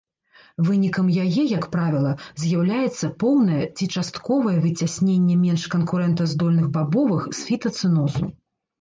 Вынікам яе, як правіла, з'яўляецца поўнае ці частковае выцясненне менш канкурэнтаздольных бабовых з фітацэнозу.